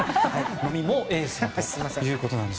飲みのエースです。